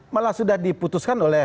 malah sudah diputuskan